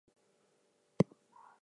Cross out the incorrect words.